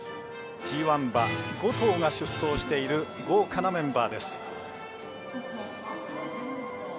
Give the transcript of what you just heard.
ＧＩ馬５頭が出走している豪華なメンバーです。